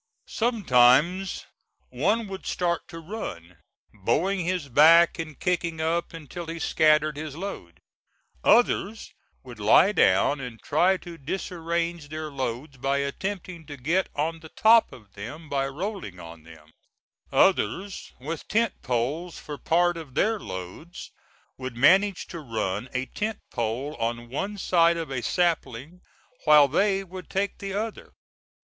Sometimes one would start to run, bowing his back and kicking up until he scattered his load; others would lie down and try to disarrange their loads by attempting to get on the top of them by rolling on them; others with tent poles for part of their loads would manage to run a tent pole on one side of a sapling while they would take the other.